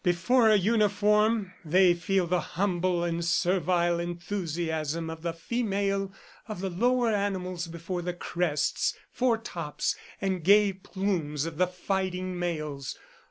Before a uniform, they feel the humble and servile enthusiasm of the female of the lower animals before the crests, foretops and gay plumes of the fighting males.